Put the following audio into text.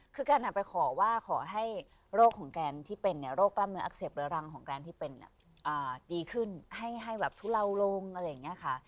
คือแกนไปขอว่าขอให้โรคของแกนที่เป็นโรคกล้ามเนื้ออักเสบเรื้อรังของแกนที่เป็นดีขึ้นให้แบบทุเลาลงอะไรอย่างนี้ค่ะ